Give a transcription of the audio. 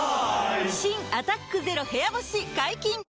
新「アタックＺＥＲＯ部屋干し」解禁‼